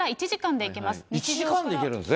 １時間で行けるんですね。